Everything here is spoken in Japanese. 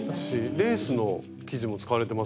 レースの生地も使われてますもんね。